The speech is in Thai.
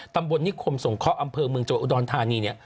ตำบลนิคคมสงเคราะห์อำเภอเมืองจวัดอุดรธานี